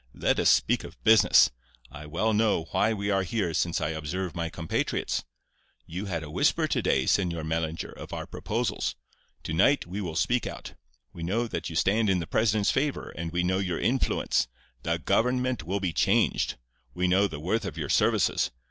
Let us speak of business. I well know why we are here, since I observe my compatriots. You had a whisper yesterday, Señor Mellinger, of our proposals. To night we will speak out. We know that you stand in the president's favour, and we know your influence. The government will be changed. We know the worth of your services.